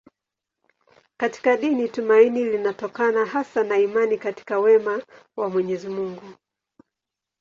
Katika dini tumaini linatokana hasa na imani katika wema wa Mwenyezi Mungu.